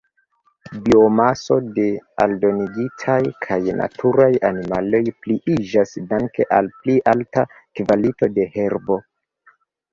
Biomaso de aldomigitaj kaj naturaj animaloj pliiĝas danke al pli alta kvalito de herbo.